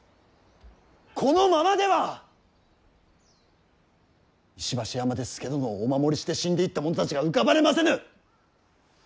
このままでは石橋山で佐殿をお守りして死んでいった者たちが浮かばれませぬ！